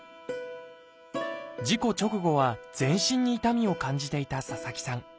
事故直後は全身に痛みを感じていた佐々木さん。